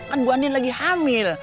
kan buandien lagi hamil